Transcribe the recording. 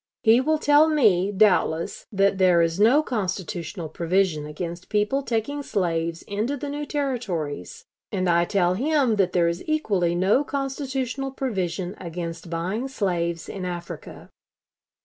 He will tell me, doubtless, that there is no constitutional provision against people taking slaves into the new Territories, and I tell him that there is equally no constitutional provision against buying slaves in Africa....